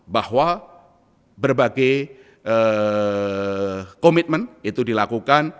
bahwa berbagai komitmen itu dilakukan